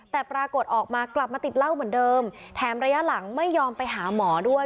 แต่ปรากฏออกมากลับมาติดเหล้าเหมือนเดิมแถมระยะหลังไม่ยอมไปหาหมอด้วย